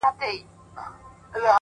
بيا دې د دوو سترگو تلاوت شروع کړ”